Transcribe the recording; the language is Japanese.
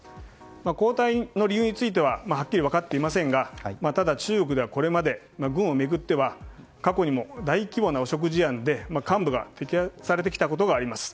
交代の理由についてははっきり分かっていませんがただ、中国ではこれまで軍を巡っては過去にも大規模な汚職事案で幹部が摘発されてきたことがあります。